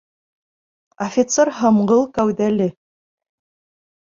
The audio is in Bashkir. «Офицер һомғол кәүҙәле!»...